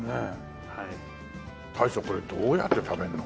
大将これどうやって食べるの？